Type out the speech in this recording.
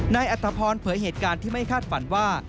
อัตภพรเผยเหตุการณ์ที่ไม่คาดฝันว่า